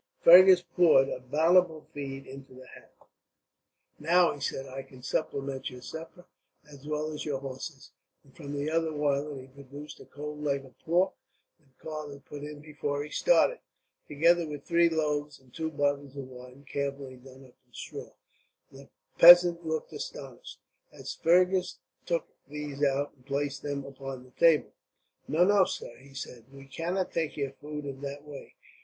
Fergus poured a bountiful feed into the hat. "Now," he said, "I can supplement your supper, as well as your horse's;" and from the other wallet he produced a cold leg of pork, that Karl had put in before he started; together with three loaves; and two bottles of wine, carefully done up in straw. The peasant looked astonished, as Fergus took these out and placed them upon the table. "No, no, sir," he said, "we cannot take your food in that way."